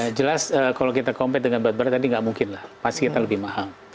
iya jelas kalau kita compete dengan bad barat tadi tidak mungkin lah pasti kita lebih mahal